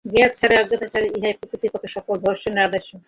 জ্ঞাতসারে বা অজ্ঞাতসারে ইহাই প্রকৃতপক্ষে সকল ধর্মের আদর্শ।